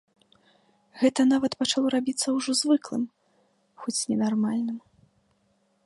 Гэта нават пачало рабіцца ўжо звыклым, хоць ненармальным.